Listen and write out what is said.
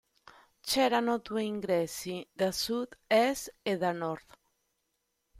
C'erano due ingressi da sud-est e da nord.